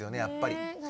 やっぱり。